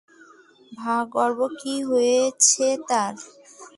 ভার্গব কী হয়েছে তার?